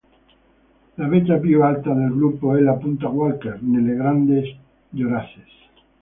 La vetta più alta del gruppo è la Punta Walker nelle Grandes Jorasses.